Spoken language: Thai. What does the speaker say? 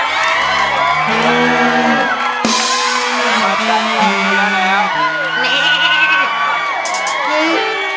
นี่